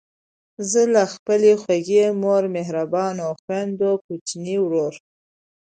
زه له خپلې خوږې مور، مهربانو خویندو، کوچني ورور،